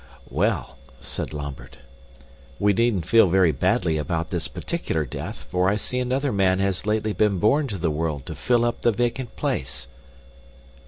"Well," said Lambert, "we needn't feel very badly about this particular death, for I see another man has lately been born to the world to fill up the vacant place."